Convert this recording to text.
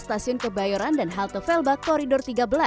stasiun kebayoran dan halte velbak koridor tiga belas